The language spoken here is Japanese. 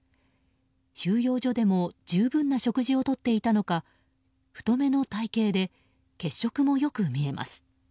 収容所でも十分な食事をとっていたのか太めの体形で血色もよく見えます。